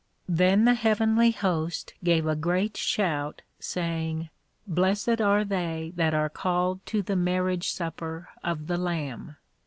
Then the Heavenly Host gave a great shout, saying, _Blessed are they that are called to the Marriage Supper of the Lamb.